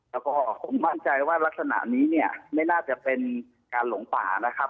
แล้วก็ผมมั่นใจว่ารักษณะนี้เนี่ยไม่น่าจะเป็นการหลงป่านะครับ